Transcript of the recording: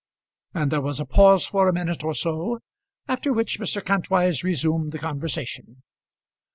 And there was a pause for a minute or so, after which Mr. Kantwise resumed the conversation.